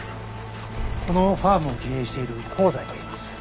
このファームを経営している香西といいます。